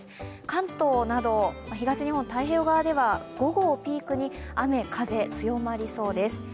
関東など、東日本太平洋側では午後をピークに雨・風強まりそうです。